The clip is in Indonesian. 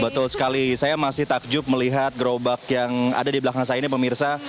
betul sekali saya masih takjub melihat gerobak yang ada di belakang saya ini pemirsa